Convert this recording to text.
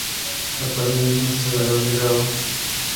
A partir de entonces se verá obligado a acabar con ellos.